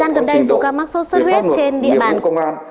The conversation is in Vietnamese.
thời gian gần đây dù ca mắc sốt xuất huyết trên địa bàn công an